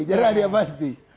jerah dia pasti